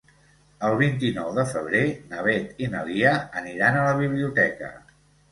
El vint-i-nou de febrer na Beth i na Lia aniran a la biblioteca.